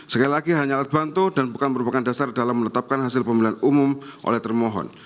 sekali lagi hanya alat bantu dan bukan merupakan dasar dalam menetapkan hasil pemilihan umum oleh termohon